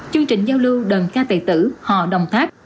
chương trình giao lưu đần ca tệ tử hò đồng tháp